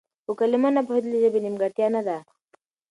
په کلمه نه پوهېدل د ژبې نيمګړتيا نه ده.